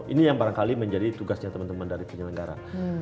ini yang barangkali menjadi tugasnya teman teman dari penyelenggara